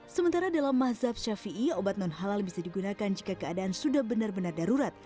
sementara dalam mazhab ⁇ syafii ⁇ obat non halal bisa digunakan jika keadaan sudah benar benar darurat